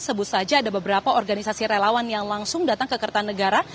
sebut saja ada beberapa organisasi relawan yang langsung datang ke kertanegara